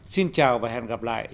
xin chào và hẹn gặp lại